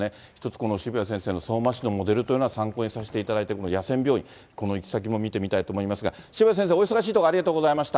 この渋谷先生の相馬市のモデルというのは、参考にさせていただいて、野戦病院、この行き先も見てみたいと思いますが、渋谷先生、お忙しいところ、ありがとうございました。